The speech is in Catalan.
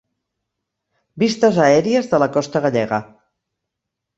Vistes aèries de la costa gallega.